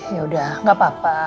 ya udah gak apa apa